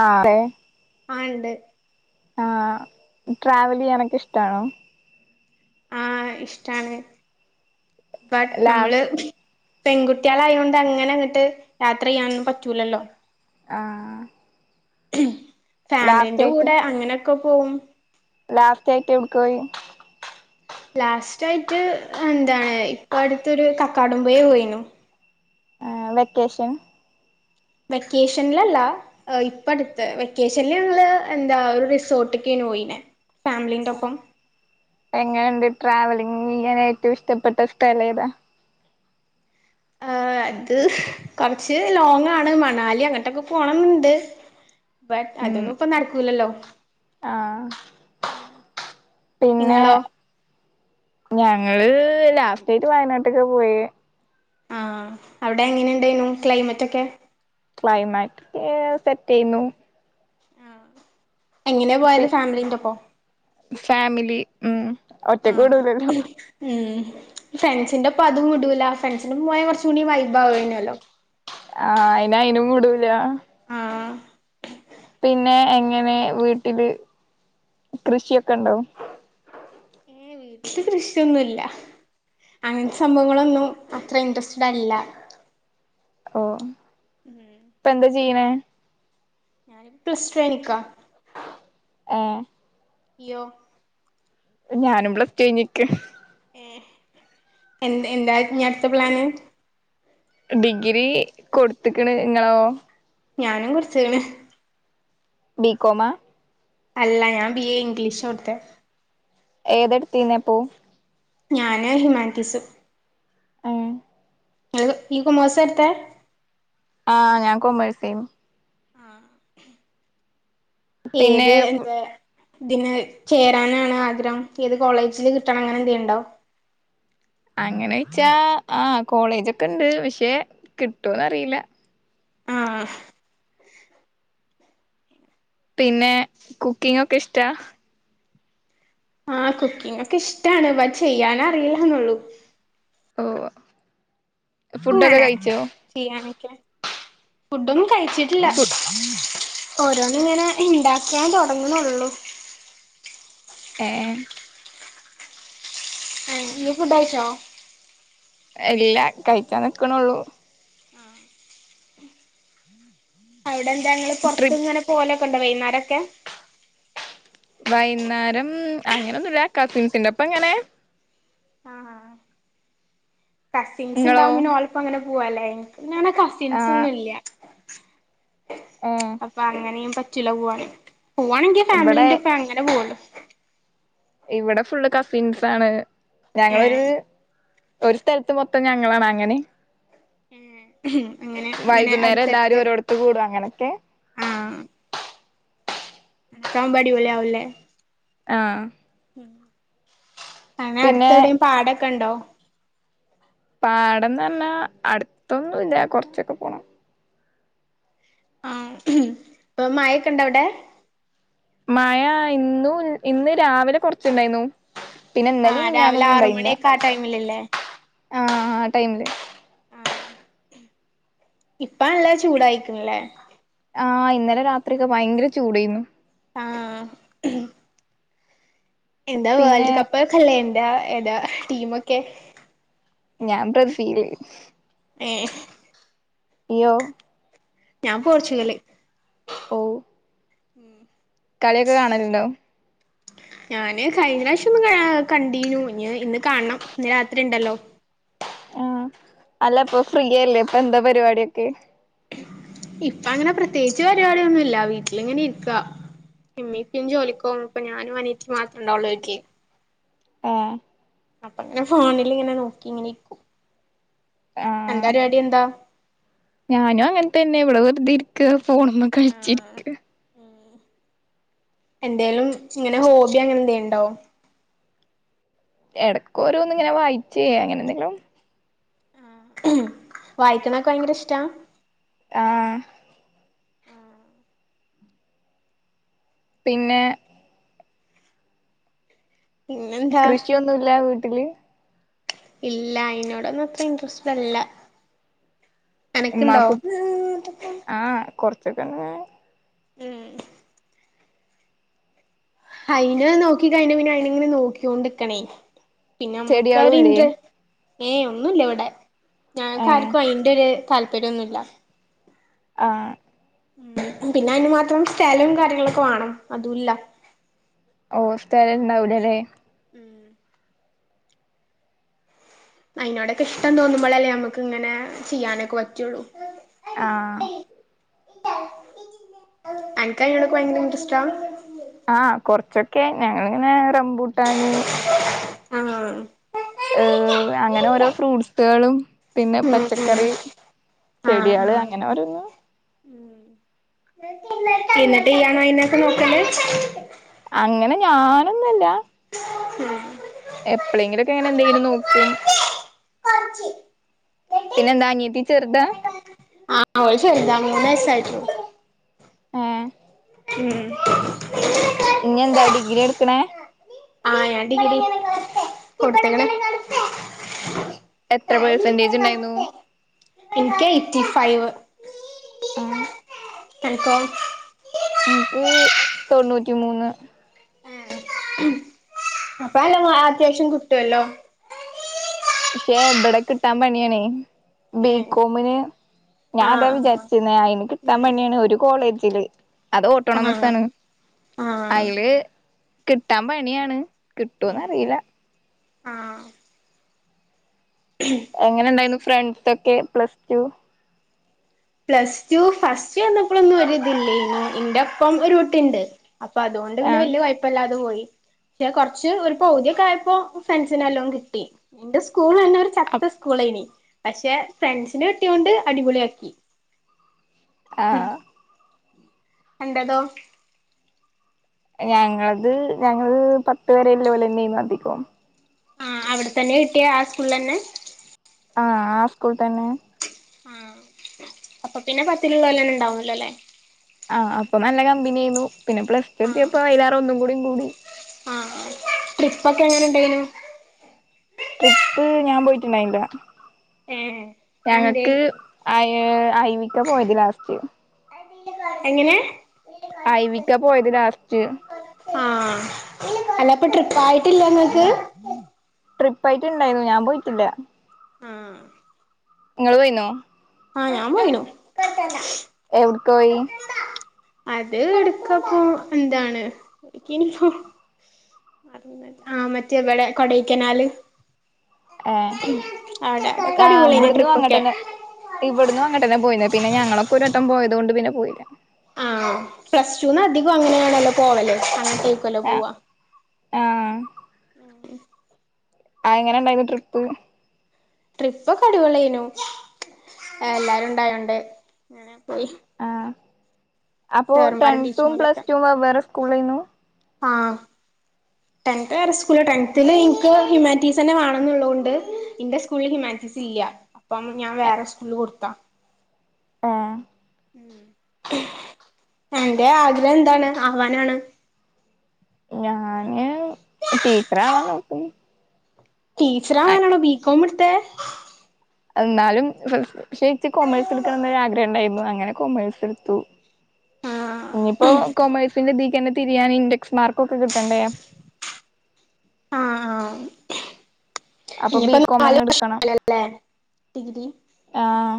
ആഹ് അതെ ആഹ് ഇണ്ട് ആഹ് ട്രാവലിയ്യാനൊക്കെ ഇഷ്ട്ടാണോ ആഹ് ഇഷ്ടാണ് ബട്ട് ലാസ് നമ്മള് പെൺകുട്ട്യാളായോണ്ട് അങ്ങനെങ്ങിട്ട് യാത്ര ചെയ്യാനൊന്നും പറ്റൂലല്ലോ ആഹ് ലാസ്റ്റ് ഫാമിലിന്റെ കൂടെ അങ്ങനൊക്കെ പോവും ലാസ്റ്റായിട്ട് എവിട്ക്കാ പോയി ലാസ്റ്റായിട്ട് എന്താണ് ഇപ്പടുത്തൊരു കക്കാടം പൊയ പോയിന്നു ആഹ് വെക്കേഷൻ വെക്കേഷനിലല്ല ആഹ് ഇപ്പടുത്ത് വെക്കേഷനിലങ്ങള് എന്താ ഒരു റിസോർട്ട്ക്കാ പോയിനെ ഫാമിലിന്റൊപ്പം എങ്ങനെണ്ട് ട്രാവലിംങ്ങെയ്യാന് ഏറ്റവും ഇഷ്ടപ്പെട്ട സ്ഥലേതാ? അത് കൊർച്ച് ലോങ്ങാണ്. മണാലി അങ്ങട്ടൊക്കെ പോണംന്നുണ്ട് ബട്ട് അതൊന്നും. ഇപ്പ നട്ക്കൂലല്ലോ ആ പിന്നെ നിങ്ങളോ ഞങ്ങള് ലാസ്റ്റയ്ട്ട് വയനാട്ട്ക്കാ പോയേ ആ അവ്ടെ എങ്ങനെണ്ടായ്നു ക്ലൈമറ്റൊക്കെ ക്ലൈമാറ്റ് ഒക്കേ സെറ്റേയ്ന്നു എങ്ങനേ പോയത് ഫാമിലിന്റൊപ്പോ ഫമിലി ഉം ഒറ്റക്ക് വ്ടുലല്ലോ ഉം ഫ്രണ്ട്സിന്റെപ്പൊ അതും വിടൂല ഫ്രണ്ട്സിന്റൊപ്പം പോയാ കൊർചൂടി വൈഭാവോയ്നല്ലോ ആ അയ്ന് അയ്നും വിടൂലാ ആഹ് പിന്നെ എങ്ങനെ വീട്ടില് കൃഷിയൊക്കെണ്ടോ? ഏ വീട്ട്ല് കൃഷിയൊന്നുല്ല അങ്ങൻത്തെ സംഭവങ്ങളൊന്നും അത്ര ഇൻട്രസ്റ്റഡ് അല്ല ഓ ഉം ഇപ്പന്താ ചെയ്യ്ണേ ഞാനിപ് പ്ലസ്റ്റു കയ്ഞ്ഞ്ക്കാ ഏഹ് ഇയ്യോ ഞാനും പ്ലസ്റ്റു കയ്ഞ്ഞ്ക്കാ എ എന്ത് എന്തായ്ര്ക്കും ഞ്ഞി അട്ത്ത പ്ലാന് ഡിഗ്രി കൊട്ത്ത്ക്ക്ണ് ങ്ങളോ? ഞാനും [unintelligible] ബീകോമാ അല്ല ഞാം ബി എ ഇംഗ്ലീഷാ കൊട്ത്തേ ഏതാട്ത്തീന്നേ അപ്പോ ഞാന് ഹിമാൻറ്റീസ് ങ്ങള് ഇയ്യ് കൊമേഴ്സാട്ത്തേ ആ ഞാൻ കോമേഴ്സേന്നു പിന്നെ ഏത് എന്തേ ഇതിന് ചേരാനാണ് ആഗ്രഹം ഏത്കോളേജ്ല് കിട്ടണം അങ്ങനെ എന്തേലുണ്ടോ? അങ്ങനെ ചോയ്ച്ചാ ആ കോളേജൊക്കെണ്ട് പഷേ കിട്ടോന്ന് അറിയില്ല ആഹ് പിന്നെ കുക്കിംങ്ങൊക്കെ ഇഷ്ടാ ആ കുക്കിംങ്ങൊക്കെ ഇഷ്ടാണ് ബട്ട് ചെയ്യാനറിയില്ലന്നൊള്ളൂ ഉവ്വ്‌ ഉവ്വ്‌ ഫുഡൊക്കെ അങ്ങനെ കഴിച്ചോ? ചെയ്യാനൊക്കെ ഫുഡൊന്നും കഴിച്ചിട്ടില്ല ഫു ഓരോന്ന്ങ്ങനെ ഇണ്ടാക്കിയാൻ തൊടങ്ങ്ണൊള്ളൂ ഏമ് യേം ഞ്ഞി ഫുഡയ്ച്ചോ ഇല്ല കഴിച്ചാ നിക്ക്ണൊള്ളൂ ആഹ് ആഹ് അവ്ടെന്താ ങ്ങള് പോർത്ത് ട്രിപ്പ് ങ്ങനെ പോലൊക്കെണ്ടാ വൈന്നാരൊക്കെ വൈന്നരം അങ്ങനെന്നുല്ല കസിൻസിന്റൊപ്പങ്ങനെ ആഹ് ആഹ് നിങ്ങളോ കസിൻസ്ണ്ടാവും പിന്നെ ഓലപ്പങ്ങനെ പൂവല്ലേ എനിക്ക് പിന്നെ അങ്ങനെ ആ കസിൻസൊന്നുല്ല്യ ഏഹ് അപ്പൊ അങ്ങനിം പറ്റൂല. പോവന്. പോവാണെങ്കി ഇബടെ ഫാമിലീന്റെപ്പെ. അങ്ങനെ പോവള്ളു.. ഇവിടെ ഫുള്ള് കസിൻസാണ്. ഏഹ് ഞങ്ങളൊര്.. ഒരു സ്ഥലത്ത് മൊത്തം ഞങ്ങളാണ് അങ്ങനി.. എ ഹ്. അങ്ങനെ ഇങ്ങനെ അടുത്തടുത്ത്.. ത്തുകൂടു. അങ്ങനൊക്കെ.. നടക്കാൻ വരൂലേ അവര്ലേ.. ആഹ് അനെ പിന്നെ അടുത്ത് എവിടെയും പാടൊക്കെ ഉണ്ടോ പാടന്ന് പറഞ്ഞാ അടുത്തൊന്നും ഇല്ല കുറച്ചൊക്കെ പോണം ആഹ് ഇപ്പൊ മായക്കുണ്ട അവിടെ മഴ ഇന്ന് ഇന്ന് രാവിലെ കുറച്ചുണ്ടായിരുന്നു പിന്നെ ഇന്നലെം ആഹ് രാവിലെ മിനിഞാനൊന്നും ആറ് ഇണ്ടായില്ല മണിയൊക്കെ ആ ടൈമിലല്ലേ ആഹ് ടൈമില് ആഹ് ഇപ്പ നല്ല ചൂടായിരിക്കണല്ലേ ആഹ് ഇന്നലെ രാത്രിക്കെ ഭയങ്കര ചൂടായിരുന്നു ആഹ് എന്താ പിന്നെ വേൾഡ് കപ്പ്ക്ക അല്ലേ എന്താ ഏതാ ടീമൊക്കെ ഞാൻ ബ്രസീല് ഏഹ് ഇയ്യോ ഞാൻ പോർച്ചുഗല് ഓഹ് ഉം കളിയൊക്കെ കാണലുണ്ടോ ഞാന് കഴിഞ്ഞ പ്രാവശ്യം ഒന്ന് കണ്ടീന്യൂ ഇ ഇന്ന് കാണണം ഇന്ന് രാത്രി ഉണ്ടല്ലോ ആഹ് അല്ലപ്പൊ ഫ്രീയല്ലേ ഇപ്പൊ എന്താ പരിപാടിയൊക്കെ ഇപ്പ അങ്ങനെ പ്രത്യേകിച്ച് പരിപാടിയൊന്നുംല്ല വീട്ടിലിങ്ങനെ ഇരിക്കാ ഇമ്മ ഇപ്പും ജോലിക്കോവും ഇപ്പൊ ഞാനും അനിയത്തിയും മാത്രം ഉണ്ടാവുള്ളൂ വീട്ടില് ഏഹ് അപ്പ അങ്ങനെ ഫോണിൽ ഇങ്ങനെ നോക്കി ഇങ്ങനെ ഇക്കൂ അന്റെ ആഹ് പരിപാടി എന്താ ഞാനും അങ്ങനെ തന്നെ ഇവിടെ വെറുത ഇരിക്ക ഫോണമ കളി ആഹ് എന്തേലും ഇങ്ങനെ ഹോബി അങ്ങനന്തേലുണ്ടോ എടക്കോരോന്ന് ഇങ്ങനെ വായിച്ച അങ്ങനെ എന്തെങ്കിലും വായിക്കണൊക്കെ ഭയങ്കര ഇഷ്ട്ടാ ആഹ് ആഹ പിന്നെ പിന്നെ എന്താ ഒന്നില്ല വീട്ടില് ഇല്ല അയിതിനോട ഒന്നും അത്ര ഇൻട്രസ്റ്റ് അല്ല അനക്ക് ഉണ്ടോ ഉമ്മാക്കും ചഖങ്ങേ ഉം അയിന് നോക്കിഴ പിന്നെ അയിന് ഇങ്ങനെ നോക്കിണ്ടിക്കണേ പിന്നെ ചെടികളും ഇല്ലേ നമ്മക്കരുണ്ട് ഏയ് ഒന്നുമില്ല ഇവിടെ ഞങ്ങക്ക ഏഹ് ആർക്കും അയിന്റെ ഒരു താല്പര്യംന്നുമല്ല ആഹ് ഉം പിന്നെ അതിന് മാത്രം സ്ഥലവും കാര്യങ്ങളൊക്കെ വിണം അതുല്ല ഓഹ് സ്ഥലണ്ടാവൂലല്ലേ ഉം അയിനോടൊക്കെ ഇഷ്ടം തോന്നുമ്പളല്ലേ നമ്മക്ക് ഇങ്ങനെ ചെയ്യാനൊക്കെ പറ്റൊള്ളൂ ആഹ് അൻക്ക് അയിനോടോക്കെ ഭയങ്കര ഇന്റട്രസ്റ്റാ ആഹ് കൊറ്ച്ചൊക്കെ ഞങ്ങള്ങ്ങനെ റംബൂട്ടാന് ആഹ് ഏഹ് അങ്ങനെ ഓരോ ഫ്രൂട്സ്കളും പിന്നെ ഉം ഉം പച്ചക്കറി ആഹ് ചെടിയേള് ആഹ് അങ്ങനെ ഓരോന്ന് ഇന്ന്ട്ട് ഈയ്യാണോ അയിനൊക്കെ നോക്കല് അങ്ങനെ ഞാനൊന്നു അല്ല ഉം എപ്പളേങ്കിലൊക്കെ എങ്ങനെ എന്തെങ്കിലും നോക്കും പഞ്ച് എ [inaudible] പിന്നെന്താ അനിയത്തി ചെറ്താ? ആഹ് ഓള് ചെറ്താണ് മൂന്നു വയസ്സായിട്ടൊള്ളൂ ഏഹ് ഉം ഇനിയെന്താ ഡിഗ്രിയാ ഇട്ക്ക്ണേ ആഹ് ഞാൻ ഡിഗ്രി കൊട്ത്ത്ക്ക്ണ് എത്ര പേർസെന്റേജ് ഇണ്ടായിന്നൂ? ഇൻക്ക് എയ്റ്റി ഫൈവ് ആഹ് അൻക്കോ ഇൻക്ക് തൊണ്ണൂറ്റി മൂന്ന് ഏഹ് അപ്പ നല്ല മാ അത്യാവശ്യം കിട്ടുവല്ലോ പക്ഷെ ഇബടെ കിട്ടാൻ പണിയാണേ ഏ ബികോമിന് ഞാൻ അതാ ആഹ് ആഹ് വിചാരിച്ചിന്നേ അയിന് കിട്ടാൻ ഉം പണിയാണ് ഒരു കോളേജില് അത് ആഹ് ആഹ് ഓട്ടോണോമസാണ് അയില് കിട്ടാൻ പണിയാണ് ഉം കിട്ടോന്നറീല്ല ആഹ് എങ്ങനെ ഇണ്ടായിരുന്നു ഫ്രണ്ട്സൊക്കെ plus two plus two first വന്നപ്പളൊന്നും ഒരു ഇതില്ലേന്നു ഇൻ്റെ ഒപ്പം ഒരു കുട്ടീണ്ട് അപ്പൊ അതുകൊണ്ട് പിന്നെ ആഹ് വല്യ കൊയപ്പല്ലാതെ പോയി പക്ഷേ കൊറച്ച് ഒരു പൗതിയൊക്കെ ആയപ്പോ ഫ്രെണ്ട്സിനെല്ലോം കിട്ടി ഇൻ്റെ സ്കൂള് തന്നെ ഒരു അപ് ചത്ത സ്കൂളേനി പക്ഷെ ഫ്രണ്ട്സിനെ കിട്ടിയോണ്ട് അടിപൊളിയാക്കി ആഹ് അൻ്റതോ ഞങ്ങൾത് ഞങ്ങള് പത്ത് വരേ ഇല്ലോലെന്നേന്നു അധികും ആഹ് അവിടെത്തന്നെ കിട്ടിയാ ആ സ്കൂൾളെന്നെ ആഹ് ആ സ്കൂൾ തന്നെ ആഹ് അപ്പ പിന്നെ പത്തില്ള്ളോലെന്നെ ഇണ്ടാവല്ലോലേ? ആഹ് അപ്പ നല്ല കമ്പനിയേന്നു പിന്നെ പ്ലസ് ടു ആഹ് എത്തിയപ്പോ അയിലേറെ ഒന്നുകൂടി കൂടി ആഹ് ട്രിപ്പൊക്കെ എങ്ങനെ ഇണ്ടേയിരുന്നു ട്രിപ്പ് ഞാൻ പോയിട്ടുണ്ടായില്ല ഏഹ് അതെന്തേ ഞങ്ങക്ക് അയ് അയിവിക്ക പോയത് ലാസ്റ്റ് എങ്ങനെ. ഐവിക പോയത് ലാസ്റ്റ്. ആഹ് അല്ലപ്പ ട്രിപ്പായിട്ടില്ലങ്ങക്ക്. ട്രിപ്പയിട്ടുണ്ടായിന്നു ഞാൻ പോയിട്ടില്ല. ആഹ്. ഇങ്ങള് പോയിന്നോ. ആഹ് ഞാൻ പോയിനു. എവിട്ക്കോയി. അത് എട്ക്കപ്പൊ എന്താണ് എട്ക്കേനിപ്പൊ. ആ മറ്റേ ഇവടെ കൊടൈക്കനാല്. ഏഹ് ഉം അവ്ടെ ഒക്കടിപൊള്യേനി ട്രിപ്പക്കെ. ഇവട്ന്നു അങ്ങട്ടെന്നെ പോയിനെ പിന്നെ ഞങ്ങളൊക്കെ ഒരട്ടം പോയത് കൊണ്ട് പിന്നെ പോയില. ആഹ് പ്ലസ് ടൂന്ന് അധികം അങ്ങനെയാണല്ലോ പോവല് അങ്ങട്ടേക്കൊല്ലൊ ആഹ് പോവാ. ആഹ് ഉം. ആഹ് എങ്ങനെണ്ടായിന്നു ട്രിപ്പ്. ട്രിപ്പൊക്കടിപൊള്യേനു ഏഹ് എല്ലാരും ഇണ്ടായോണ്ട് അങ്ങനെ പോയി. ആഹ് അപ്പൊ സാറുമാരും ടെൻത്തും ടീച്ചർമാരൊക്കെ പ്ലസ്ടും വെവ്വേറെ സ്കൂളേന്നു. ആഹ്. ടെൻത് വേറെസ്കൂള് ടെൻത്തില് ഇൻക്ക് ഹ്യുമാറ്റീസെന്നെ വേണംന്നുള്ളോണ്ട് ഇന്റെ സ്കൂൾല് ഹ്യുമാൻറ്റീസ് ഇല്ല. അപ്പം ഞാൻ വേറെ സ്കൂൾല് കൊട്ത്താ. ഏഹ്. അന്റെ ആഗ്രഹം എന്താണ് ആവാനാണ്. ഞാന് ടീച്ചറാവാൻ നോക്ക്ന്ന്. ടീച്ചറാവാനാണോ ബീകോം ഇട്ത്തെ. എന്നാലും ഫസ് പക്ഷെ ഇച്ച് കൊമേഴ്സ്ട്ക്കണംന്നൊരു ആഗ്രഹം ണ്ടായിന്നു അങ്ങനെ കൊമേഴ്സ്ട്ത്തു. ആഹ് ഇഞ്ഞിപ്പൊ കൊമേഴ്സിന്റെ തീക്കന്നെ തിരിയാന് ഇൻഡക്സ് മാർക്കൊക്കെ കിട്ടണ്ടേ. അപ്പൊ ഇഞ്ഞ്പ്പ ബികോം നാല് തന്നെ എടുക്കണം വർഷല്ലേ ഡിഗ്രി. ആഹ്.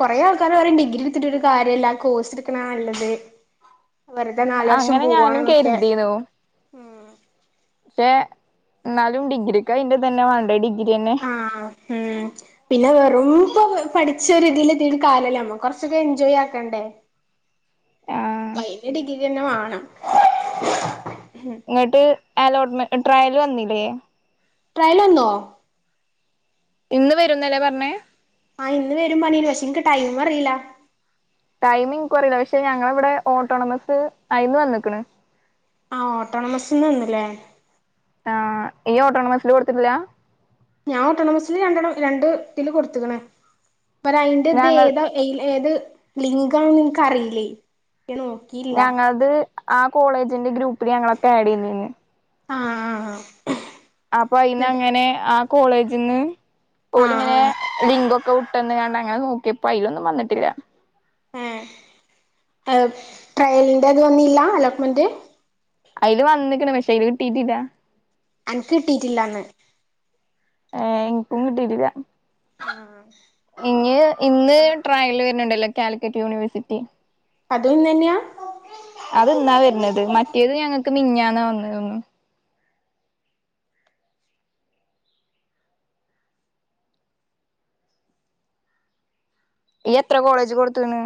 കൊറെ ആൾക്കാര് പറയും ഡിഗ്രിട്ത്തിട്ട് ഒര് കാര്യോല്ല കോഴ്സ്ട്ക്ക്ണാ നല്ലത്. വെർതെ നാല് വർഷം അങ്ങനെ ഞാനും പോവാണ്ന്നൊക്കെ. കരുതിന്നു പക്ഷെ ഇന്നാലും ഡിഗ്രിക്ക് അയ്ന്റതന്നെ വേണ്ടേ ഡിഗ്രിയെന്നെ. ആഹ് ഉം പിന്നെ വെറും ഇപ്പോ പഠിച്ചര് തിലെത്തീട്ട് കാര്യല്ലല്ലോ നമ്മക്ക് കൊർച്ചൊക്കെ എൻജോയാക്കണ്ടേ. ആ അപ്പയ്ന് ഡിഗ്രിന്നെ വേണം. ഇന്നട്ട് അലോട്ട്മെന്റ് ട്രയല് വന്നിലേ. ട്രയല് വന്നോ. ഇന്ന് വരുന്നല്ലേ പർഞ്ഞേ. ആഹ് ഇന്ന് വരും പർഞ്ഞീന് പക്ഷേ ഇൻക്ക് ടൈം അറില. ടൈമ് ഇൻക്കു അറീല പക്ഷെ ഞങ്ങളവടെ ഓട്ടോണമസ് അയിന്ന് വന്ന്ക്ക്ണ്. ആഹ് ഓട്ടോണമസ്ന്ന് വന്നല്ലേ. ആഹ് ഇയ്യ് ഓട്ടോണമസ്സില് കൊടുത്തിട്ടില്ല. ഞാൻ ഓട്ടോണമസില് രണ്ടെണ് രണ്ട് തില് കൊടുത്ത്ക്ക്ണ് ഞങ്ങൾ പ്പരയ്ന്റെതേതാ. എയ് ഏത് ലിങ്കാണെന്ന് ഇൻക്ക് അറീലെയ് ഞാൻ നോ ഞങ്ങൾത് ആ കോളേജിന്റെ ഗ്രൂപ്പില് ഞങ്ങളൊക്കെ ആഡെയ്തീലെ. ആഹാ ആഹാ അപ്പൊ അയിന്ന് അങ്ങനെ ആ കോളേജിൽന്ന് ആഹ് ഓലിങ്ങനെ ആഹ് ലിങ്ക് ഒക് വിട്ട് തന്ന് അങ്ങനെ നോക്കിയപ്പോ അതിലൊന്നും വന്നിട്ടില്ല ഏഹ് ട്രയലിന്റെത് വന്നില്ല അലോട്ട്മെന്റ് അയില് വന്ന്ക്ക്ണ് പക്ഷേ അയില് കിട്ടീട്ടില്ല അനക്ക് കിട്ടിയിട്ടില്ലാന്ന് ഏഹ് എനിക്കും കിട്ടിട്ടില്ല ആഹ് ഇഞ്ഞ് ഇന്ന് നോക്കണം ട്രയല് വരുന്നുണ്ടല്ലോ കാലിക്കറ്റ് യൂണിവേഴ്സിറ്റി അതും ന്ന് തന്നെയാ അത് ന്നാ വരുന്നത് മറ്റേത് ഞങ്ങൾക്ക് മിഞ്ഞാന്ന് വന്ന് തോന്ന്ന്ന് യ്യ് എത്ര കോളേജില് കൊടുത്തുക്ക്ണ്